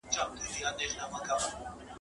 سراج الاخبار او حبل المتين مي هم وويل